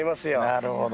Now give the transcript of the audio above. なるほど。